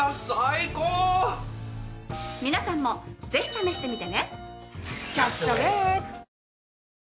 皆さんもぜひ試してみてね。